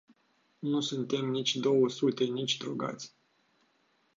Nu suntem nici două sute, nici drogați.